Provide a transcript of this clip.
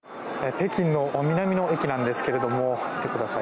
北京の南の駅なんですけど見てください